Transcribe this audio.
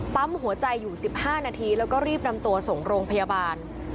ปั๊มหัวใจอยู่๑๕นาทีแล้วก็รีบนำตัวส่งโรงพยาบาล